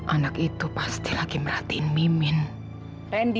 anak itu pasti lagi merhatiin mimin randy